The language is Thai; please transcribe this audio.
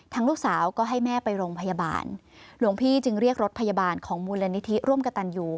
ลูกสาวก็ให้แม่ไปโรงพยาบาลหลวงพี่จึงเรียกรถพยาบาลของมูลนิธิร่วมกับตันยู